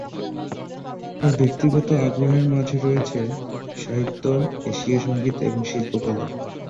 তার ব্যক্তিগত আগ্রহের মাঝে রয়েছে সাহিত্য, এশীয় সঙ্গীত, এবং শিল্পকলা।